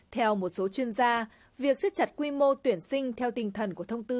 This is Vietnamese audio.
theo một số chuyên gia việc xếp chặt quy mô tuyển sinh theo tình thần của thông tư ba mươi hai